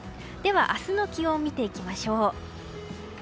明日の気温を見ていきましょう。